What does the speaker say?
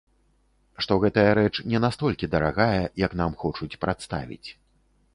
Што гэтая рэч не настолькі дарагая, як нам хочуць прадставіць.